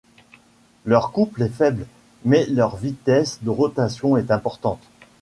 Leur couple est faible, mais leur vitesse de rotation est importante.